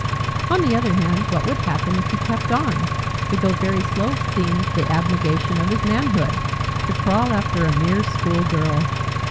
On the other hand, what would happen if he kept on? To go very slow seemed the abnegation of his manhood. To crawl after a mere schoolgirl!